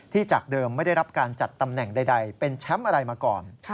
จากเดิมไม่ได้รับการจัดตำแหน่งใดเป็นแชมป์อะไรมาก่อน